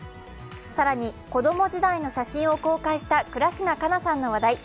更に子供時代の写真を公開した倉科カナさんの話題。